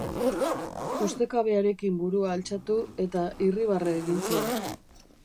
Ustekabearekin burua altxatu, eta irribarre egin zuen.